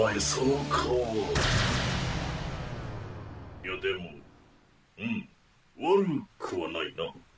いやでもうん悪くはないな。